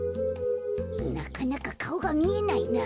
なかなかかおがみえないな。